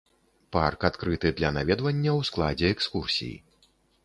Парк адкрыты для наведвання ў складзе экскурсій.